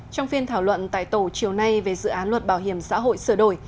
trong phiên thảo luận tại tổ chiều nay về dự án luật bảo hiểm xã hội sửa đổi